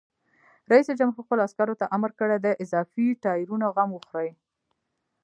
رئیس جمهور خپلو عسکرو ته امر وکړ؛ د اضافي ټایرونو غم وخورئ!